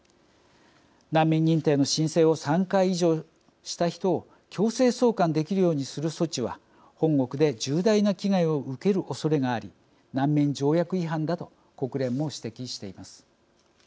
難民認定の申請を３回以上した人を強制送還できるようにする措置は本国で重大な危害を受けるおそれがあり難民条約違反だと国連も指摘しています。